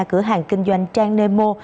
cửa hàng kinh doanh trang nemo